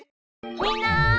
みんな！